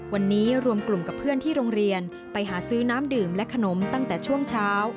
วันนี้รวมกลุ่มกับเพื่อนที่โรงเรียนไปหาซื้อน้ำดื่มและขนมตั้งแต่ช่วงเช้า